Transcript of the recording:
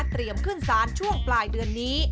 เตรียมขึ้นศาลช่วงปลายเดือนนี้